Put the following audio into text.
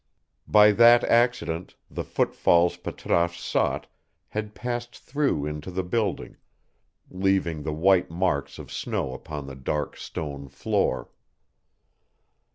By that accident the foot falls Patrasche sought had passed through into the building, leaving the white marks of snow upon the dark stone floor.